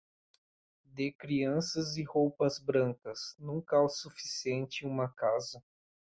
De crianças e roupas brancas, nunca há o suficiente em uma casa.